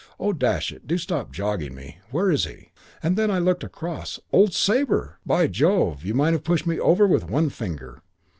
Oh, dash it, do stop jogging me. Where is he?' "And then I looked across. Old Sabre! By Jove, you might have pushed me over with one finger.